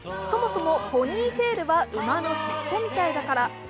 そもそもポニーテールは馬の尻尾みたいだから。